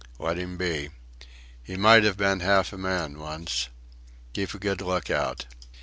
Let him be. He might have been half a man once... Keep a good look out."